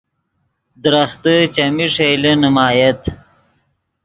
درختے چیمی ݰئیلے نیمایت